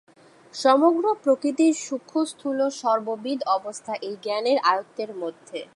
সমগ্র প্রকৃতির সূক্ষ্ম স্থূল সর্ববিধ অবস্থা এই জ্ঞানের আয়ত্তের মধ্যে।